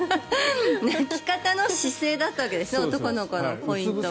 泣き方の姿勢だったんです男の子のポイントは。